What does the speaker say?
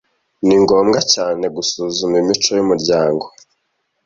Ni ngombwa cyane gusuzuma imico yumuryango.